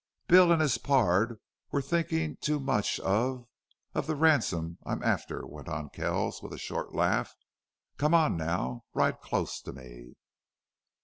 "Bill and his pard were thinking too much of of the ransom I'm after," went on Kells, with a short laugh. "Come on now. Ride close to me."